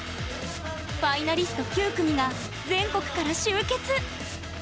ファイナリスト９組が全国から集結！